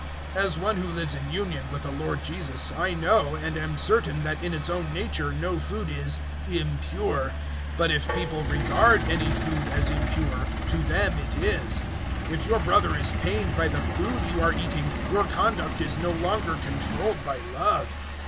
014:014 As one who lives in union with the Lord Jesus, I know and am certain that in its own nature no food is `impure'; but if people regard any food as impure, to them it is. 014:015 If your brother is pained by the food you are eating, your conduct is no longer controlled by love.